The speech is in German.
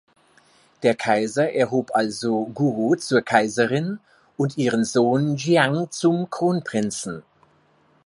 Der Kaiser erhob also Guo zur Kaiserin und ihren Sohn Jiang zum Kronprinzen.